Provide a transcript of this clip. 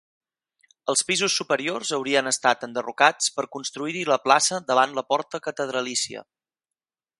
Els pisos superiors haurien estat enderrocats per construir-hi la plaça davant la porta catedralícia.